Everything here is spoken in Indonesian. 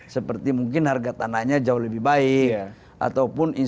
seperti mungkin harga tanahnya jauh lebih baik